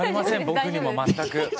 僕にも全く。